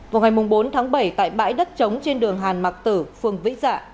vào ngày bốn bảy tại bãi đất chống trên đường hàn mạc tử phường vĩ dạ